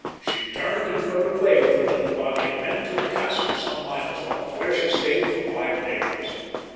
She turned and rode away with her little body of men to a castle some miles off, where she stayed for five days.